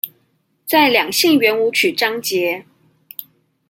在兩性圓舞曲章節